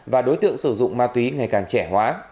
và đối tượng sử dụng ma túy ngày càng trẻ hóa